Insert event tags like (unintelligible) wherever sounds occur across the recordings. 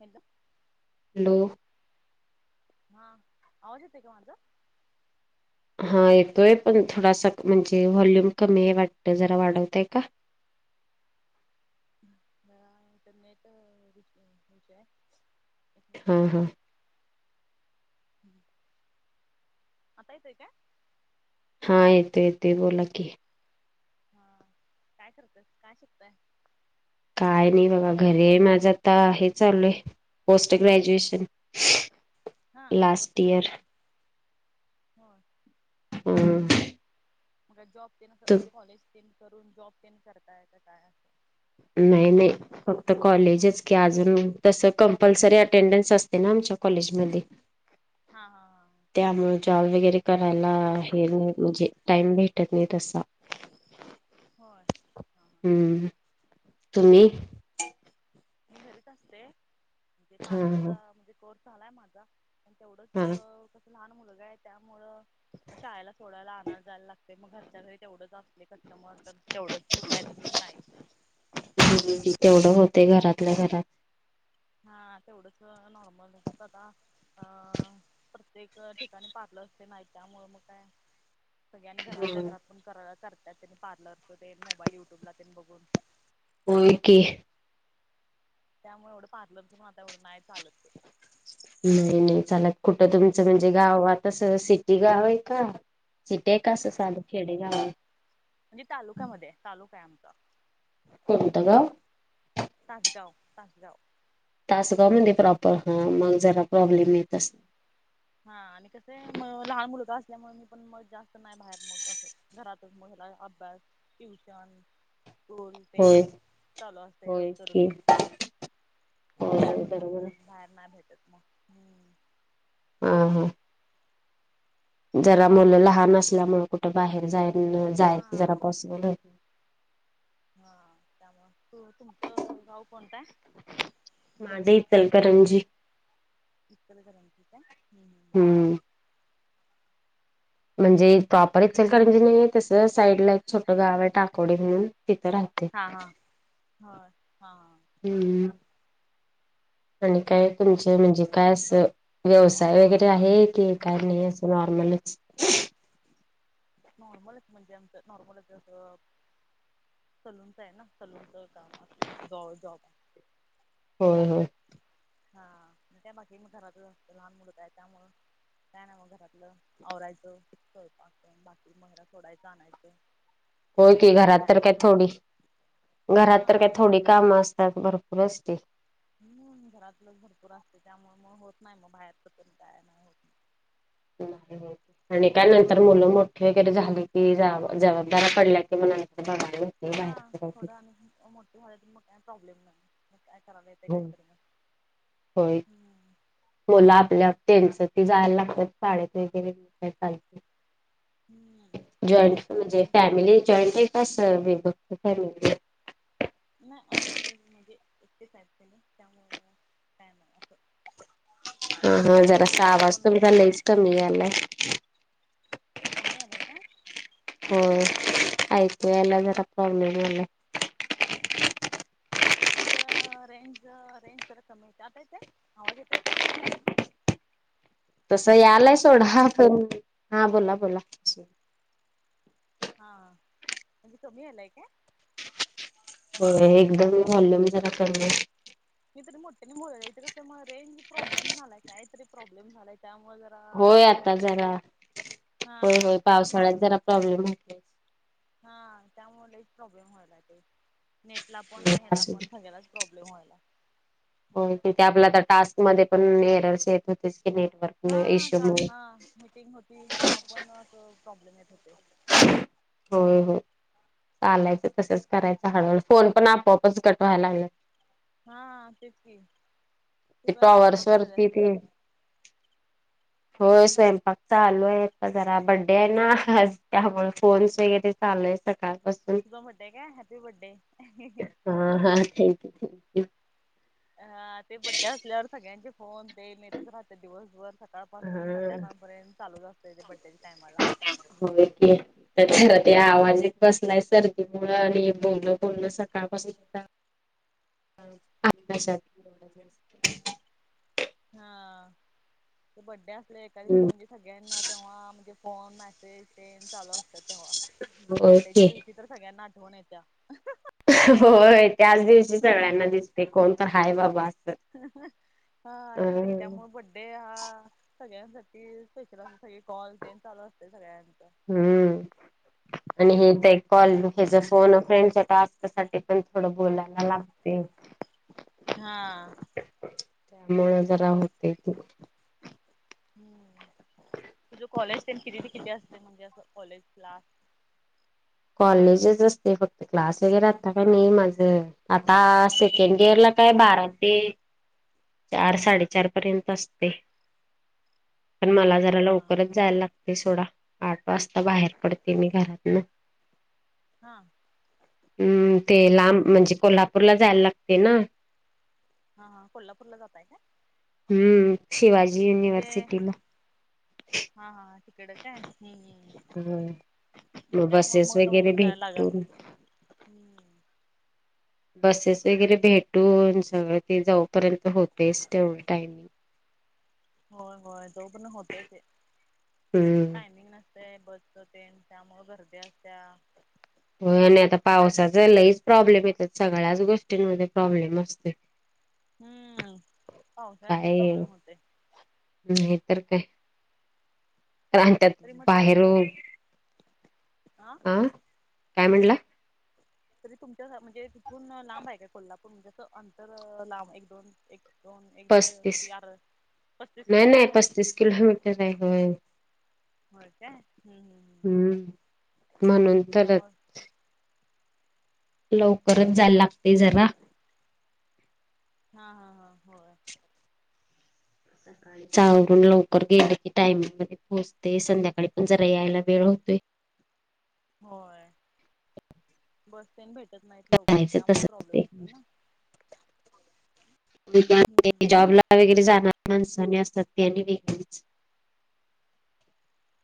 हदा (unintelligible) hello. हा आवाज येतोय का माझा? हा येतोय पण थोडासा म्हणजे व्हॉल्यूम कमी आहे वाटत जरा वाढवतय का? इंटरनेट विज आहे. हा मिनिट हा. आता येत आहे का? हा येतो येतोय बोला की. हा काय करताय काय शिकताय? काय नाही बघा घरी माझं आता आहे चालूय पोस्ट ग्रॅज्युएशन हा पोस्ट लास्ट इयर ग्रॅज्युएशन हो हम्म. मग जॉब ते कॉलेज ते करून जॉब ते करता येत काय? असं नाही नाही फक्त कॉलेजच की अजून तस कंपल्सरी अटेंडन्स असते ना आमच्या कॉलेज मधी. हा हा त्यामुळ जाॅब वगैरे करायला हे नाही म्हणजे टाईम भेटत नाही तसा. होय ह. हम्म. तुम्ही. मी घरीच असते ते हा पार्लरचा म्हणजे कोर्स झालाय माझा. आणि तेवढंच हा हा कसं लहान मुलगा आहे त्यामुळं शाळेला सोडायला आणाया जायला लागत. ते मग घरच्या घरी तेवढंच असले कस्टमर तर तेवढंच नाही तर मग नाही. ह तेवढं होते घरातल्या घरात. हा तेवढंच नॉर्मल जातात अ प्रत्येक ठिकाणी पार्लर असते नाही त्यामुळ मग काय सगळ्यांनी घरातल्या घरात पण करतात त्यांनी पार्लरच ते मोबाईल युट्यूबला त्यांनी बघून हो की. त्यामुळे एवढं पार्लरच मग आता एवढं नाही चालत ते. नाही नाही चालात कुठं तुमचं म्हणजे गाव तस सिटी गाव आहे का? सिटे कसं चाले खेडे गावा म्हणजे तालुक्यामध्ये तालुका आहे आमचा. कोणत गाव? तासगाव, तासगाव तासगाव मध्ये प्रॉपर हा मग जरा प्रॉब्लेम येत असतील. हा आणि कसं आहे लहान मुलगा असल्यामुळे मी पण मग जास्त नाही बाहेर म अस घरातच मग काय अभ्यास, ट्यूशन स्कूल ते होय चालू असते होय रोजच की रुटींग होय त्यातून मग बरोबर आहे. बाहेर नाही भेटत मग हम्म. हा हा. जरा मुलं लहान असल्यामुळे कुठं बाहेर जाय जायच हा जरा पॉसिबल हो हा त्यामुळ तू तुमचं गाव कोणतंय? माझ इथ चलकरंजी. इतर करंजी का. हम्म. म्हणजे प्रॉपर एक्सेल कांरणजी नाही तसं साईडला एक छोट गाव आहे टाकोडी म्हणून तिथं राहते. हा हा हा. हम्म आणि काय कोण तुमचे म्हणजे काय असं व्यवसाय वगैरे आहेत? ते काही नाही असं नॉर्मलच. नॉर्मलच म्हणजे आमचं नॉर्मलच असं सलूनच आहे ना सलूनच काम जवळ जॉब आहे होय होय हा मी काय बाकी घरातच असते लहान मुलगा आहे त्यामुळं काय नाय मग घरातलं आवरायचं स्वयंपाक तेन बाकी मग याला सोडायचं आणायचं (inaudible) होय की घरात रुटीन तर आहे काय थोडी घरात तर काय हा थोडी काम असतात भरपूर असते हम्म घरातलच भरपूर असतयं त्यामुळे मग होत नाही मग बाहेर पण काय नाही होत (inaudible) आणि काय नंतर मुलं मोठे वगैरे झाली की जवाब जबाबदाऱ्या पडल्या की मग बघाय हा थोडं आणि मोठे झाल्यात मग काही प्रॉब्लेम नाही मग काय करायला येतंय हो होय हम्म मुल आपली आप त्याच ती जायला लागतात शाळेत वगैरे चालतंय हम्म जॉईंट म्हणजे फॅमिली जॉईंट आहे का अस वेगवेगळ फॅमिली आहे नाही आम्ही एकटेच म्हणजे एकटेच आहेत त्यांनी त्यामुळं काय नाही असं हा हा दीर जरासा असं आवाज कोण नाही तुमचा लईच कमी यायलाय कमी यायलाय का होय ऐकू यायला जरा प्रॉब्लेम होयलाय इथं रेंज रेंज जरा कमी येतीय आता येतोय आवाज येतोय का तस यायलाय हॅलो सोडा पण हा बोला बोला हा म्हणजे कमी यायलाय काय हो एकदम वोल्युम जरा कमी आहे मी तरी मोठ्यानी बोलालोय इथे कसं मग रेंज प्रॉब्लेम झालाय काय तरी प्रॉब्लेम झालाय त्यामुळे जरा होय आता जरा हा होय होय पावसाळ्यात जरा प्रॉब्लेम हो हा त्यामुळे लईच प्रॉब्लेम व्हायला ते नेटला पण आणि ह्याला असू दे पण सगळ्यालाच प्रॉब्लेम व्हायलाय हो तिथे आपला आता टास्क मध्ये पण एरर येत होतेच की नेटवर हा काल हा मीटिंग होती तेव्हा पण अस प्रॉब्लेम येत होते होय होय चालायचं तसंच करायचं हळूहळू फोन पण आपोआपच कट व्हायला लागल्यात हा तेच की तू ते काय टॉवर्स स्वयंपाक कराल्यास वरती ते (inaudible) होय स्वयंपाक चालू आहे जरा बड्डे आहे ना आज त्यामुळे पोरी सगळ्या चाललंय सकाळपासन तुझा बड्डे आहे काय हॅपी बड्डे ओके थँक्यू हा ते बड्डे असल्यावर सगळ्यांचे फोन तेन येतच राहत्यात दिवसभर सकाळपासून हा. संध्याकाळपर्यंत चालूच असतयं त्यांच्या बड्डेच्या टाईमाला होेय की त्याच्या ते आवाज एक बसलाय सर्दीमुळ आणि बोललं बोलण सकाळपासून अभ्यासात (unintelligible) हा ते बड्डे असल एका दिवशी हम्म, म्हणजे सगळ्यांना तेव्हा म्हणजे फोन मेसेज तेन चालू असतात तेव्हा होय बड्डेच्या की दिवशी तर सगळ्यांना आठवण येत्या होय त्याच दिवशी सगळ्यांना दिसतय कोण तर हाय बाबा अस अ डे हा सगळ्यांसाठी स्पेशल असं सगळे कॉल तेन चालू असते सगळ्यांचा हम्म आणि हे तर एक कॉल हेच फोन अ फ्रेंडचा टास्कसाठी पण थोडं बोलायला लागते. हा मग जरा होते त हम्म तुझ कॉलेज तेन कितीते किती असते म्हणजे अस कॉलेज क्लास कॉलेजच असते फक्त क्लास वगैरे आता काय नाही माझं आता सेकंड इयर ला काय बारा ते चार साडेचार पर्यंत असते पण होय. मला जरा हा लवकरच जायाला लागत ते सोडा आठ वाजता बाहेर पडते मी घरातन हा हम्म ते लांब म्हणजे कोल्हापूरला जायला लागते ना हा हा कोल्हापूरला जाताय काय? हम्म शिवाजी म्हणजे युनिव्हर्सिटीला हा हा तिकड काय हम्म होय, हम मग त्यामुळ बसेस मग वगैरे लवकर जाया लागा भेटून हम्म बसेस वगैरे भेटून सगळं ते जाऊपर्यंत होतेच तेवढ टायमिंग होय होय तो परन होतय ते हम्म टयमिंग ना ते बसच तेन त्यामुळ गरदी असत्या होय आणि आता पावसाचा लहीच प्रॉब्लेम येतोय सगळ्याच गोष्टींमध्ये प्रॉब्लेम असतोय हम्म पावसाळ्यात लेय काय प्रॉब्लेम होतोय. नाही तर काय? आणि त्यात तरी मग बाहेर तिथून आ काय म्हटला तरी तुमच्या म्हणजे तिथून लांब आहे काय कोल्हापूर म्हणजे अस अंतर लांब एक दोन एक दोन एक दीड पस्तीस किती यार पस्तीस नाही नाही किलोमीटर पस्तीस किलोमीटर आहे होय होय काय हम्म हम् हम् हम्म म्हणून तर त्यामुळ लवकरच जायला लागतेय जरा हा हा हा होय चांलुन लवकर गेले की टाइमिंग मध्ये पोहोचते संध्याकाळी पण जरा यायला वेळ होतोय. होय बस तेन भेटत नाहीत लवकर जायचं त्यामुळे तसच प्रॉब्लेम होतो ना हम्म जॉबला वगैरे जाणार माणसाने असतात ते आणि वेगळीच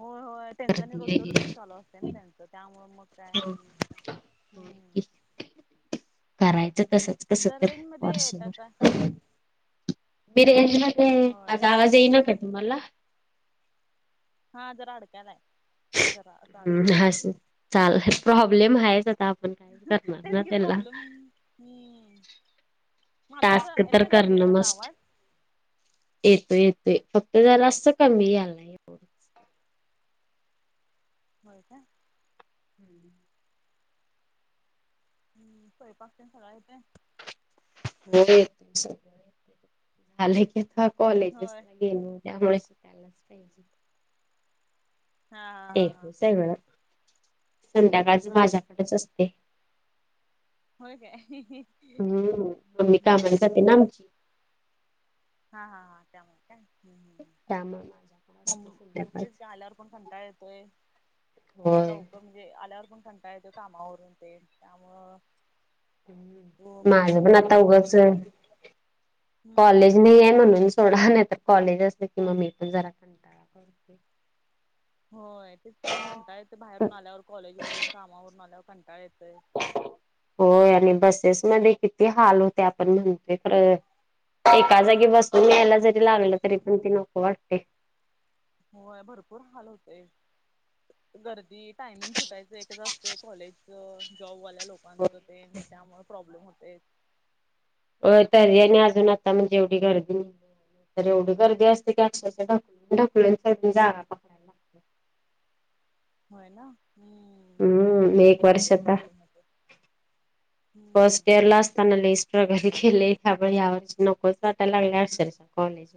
होय होय त्यांच रोजत गर्दी रुटिंग वगैरे चालू असते ना त्यांच त्यामुळे मग काय हम्म करायचं तसच- कस जर तर रेंज मध्ये वार्षिक येता का पर्यंत बिर्याणीमध्ये होय आता आवाज येईन काय तुम्हाला हा जरा आडकालाय जरा हम्म अडकायलाय अस चालयच प्रॉब्लेम आहेच आता. आपण काय करणार तेच ना कि त्याला प्रॉब्लेम हम् माझा खर टास्क तर येतोय ना क्लिअर करणं असा मस्ट आवाज येतोय येतोय फक्त जरा अस कमी यालाय होय होय काय हम्म (unintelligible) हम् स्वयंपाक तेन सगळा येतोय हो येतोय सगळ दहाला की कॉलेज होय असत गेले त्यामुळे शिकायलाच पाहिजे हा हा एक हा टायमाला संध्याकाळच हा होय माझ्या अस्ते होय काय हम्म मम्मी भारी कामाला जाते ना आमची हा हा हा त्यामुळे काय त्यामुळे माझ तेच आल्यावर पण कंटाळा येतोय होय लवकर म्हणजे आल्यावर पण कं काय ते कामावरून ते त्यामुळं हो म्हणजे माझं पण स्वयंपाक आता करत्यास तेवढं उगाचय मम्मीला हम्म कॉलेज नाहीय म्हणून सोडा नाही तर कॉलेज असल कि मग मी पण जरा ळा करते (unintelligible) होय तेच की कंटाळा येते बाहेरून आल्यावर कॉलेजवररून कामावरून आल्यावर कंटाळा येतय होय आणि बसेस मध्ये किती हाल होत्यात आपण म्हणतोय खरं एका जागी बसून ना ना यायला जरी लागलं तरी पण ती नको वाटतय होय भरपूर हाल होतय गर्दी टायमिंग सुटायचं एक आसतय कॉलेजच जॉबवाल्या लोकांचं ते त्यामुळं प्रॉब्लेम होतय हो तर ह्यांनी अजून आता म्हणजे एवढी गर्दी ना तर एवढ गर्दी असते की अक्षरशा ढ ढकलून (unintelligible) जागा कर होय ना हम्म त्यामुळे हम्म लई एक हे होते वर्षता प्रॉब्लेम होते हम्म फस्ट इयरला असताना लइ प्रगती केलेल आपण या वर्षी नकोच वाटय लागलय आशात कॉलेज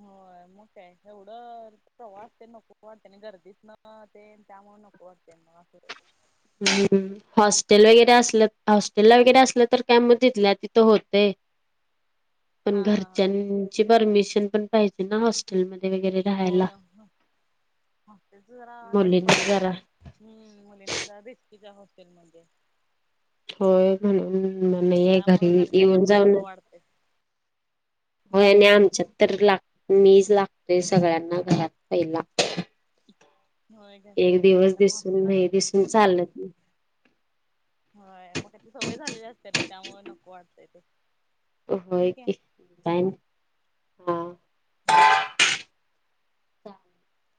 होय मग काय एवढं प्रवास ते नको वाटतय आणि गर्दीत न ते त्यामुळे नको वाटतय ना फर (unintelligible) हम् हॉस्टेल वगैरे असलं हॉस्टेल वगैरे असलं तर काय म तिथल्या तिथं होतय (unintelligible) (inaudible) पण हा हा घरच्यांची परमिशन पण पाहिजे ना हॉस्टेलमध्ये वगैरे हो राहायला. आमच्यात जरा हेच मुलींना जरा पडतंयच हम् मुलीना जरा भेस्कीच्या (unintelligible) हॉस्टेलमध्ये होय म्हणून म ये घरी त्यामुळं घरच्यांना येऊन पण जाऊ ना नको वाटतंय होय आणि हम्म आमच्यात तर ला मीज लागतोय सगळ्यांना घरात पहिला होय का एक दिवस कार दिसून हॉस्टेलला नाही नकोच दिसून चालत नाही होय मग आता सवय झालेली असते. ना त्यामुळे नको वाटतय ते होय ठीक आहे की काय नाय हा (unintelligible)